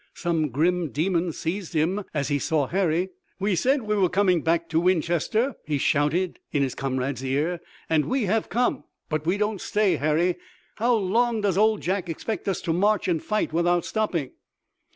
Some grim demon seized him as he saw Harry. "We said we were coming back to Winchester," he shouted in his comrade's ear, "and we have come, but we don't stay. Harry, how long does Old Jack expect us to march and fight without stopping?"